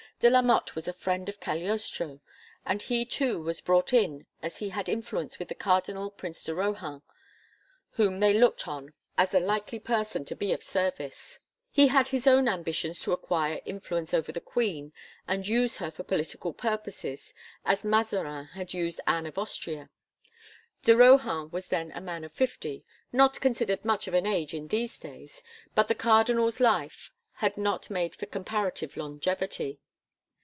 De la Motte was a friend of Cagliostro, and he too was brought in as he had influence with the Cardinal Prince de Rohan whom they looked on as a likely person to be of service. He had his own ambitions to acquire influence over the queen and use her for political purposes as Mazarin had used Anne of Austria. De Rohan was then a man of fifty not considered much of an age in these days, but the Cardinal's life had not made for comparative longevity.